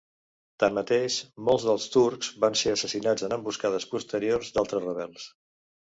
Tanmateix, molts dels turcs van ser assassinats en emboscades posteriors d'altres rebels.